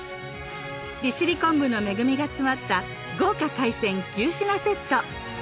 利尻昆布の恵みが詰まった豪華海鮮９品セット。